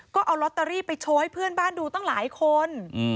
ก็เอาลอตเตอรี่ไปโชว์ให้เพื่อนบ้านดูตั้งหลายคน